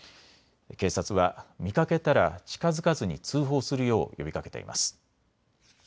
警察は見かけたら近づかずに通報するよう呼びかけています。